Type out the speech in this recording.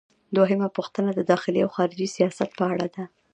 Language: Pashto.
دوهمه پوښتنه د داخلي او خارجي سیاست په اړه ده.